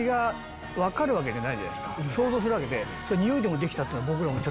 想像するわけで。